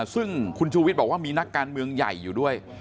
ซึ่งคุณชูวิทย์บอกว่ามีนักการเมืองใหญ่อยู่ด้วย